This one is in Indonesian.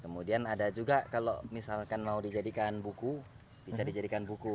kemudian ada juga kalau misalkan mau dijadikan buku bisa dijadikan buku